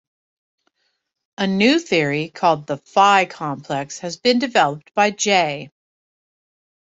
A new theory called the phi complex has been developed by J.